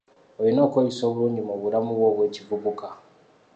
Olina okweyisa obulungi mu bulamu bwo obw'ekivubuka.